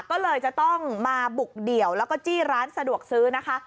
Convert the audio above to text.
ก็เลยจะต้องมาบุกเดี่ยวแล้วก็จี้ร้านสะดวกซื้อนะคะ